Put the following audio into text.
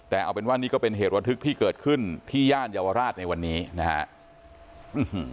แต่เอาเป็นว่านี่ก็เป็นเหตุระทึกที่เกิดขึ้นที่ย่านเยาวราชในวันนี้นะฮะ